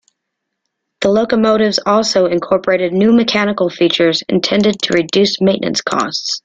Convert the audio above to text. The locomotives also incorporated new mechanical features intended to reduce maintenance costs.